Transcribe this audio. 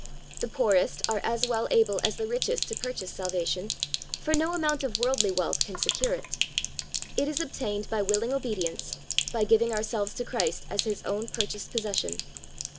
The poorest are as well able as the richest to purchase salvation; for no amount of worldly wealth can secure it. It is obtained by willing obedience, by giving ourselves to Christ as His own purchased possession.